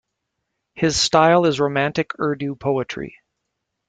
His style is romantic Urdu poetry.